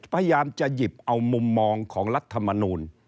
พยายามจะหยิบเอามุมมองของรัฐมนูล